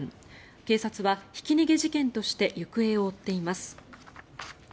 警察はひき逃げ事件として行方を追っています。